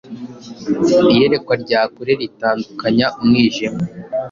iyerekwa rya kure Ritandukanya umwijima.